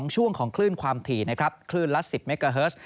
ช่วงของคลื่นความถี่นะครับคลื่นละ๑๐เมกาเฮิร์ส